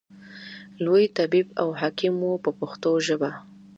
لوی طبیب او حکیم و په پښتو ژبه.